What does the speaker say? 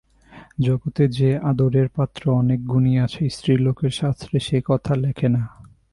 জগতে যে আদরের পাত্র অনেক গুণী আছে, স্ত্রীলোকের শাস্ত্রে সে কথা লেখে না।